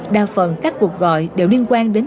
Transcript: đa phần các cuộc gọi đều liên quan đến